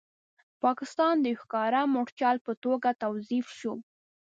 پاکستان د یو ښکاره مورچل په توګه توظیف شو.